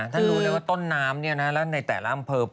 ท่านรู้เลยว่าต้นน้ำเนี่ยนะแล้วในแต่ละอำเภอ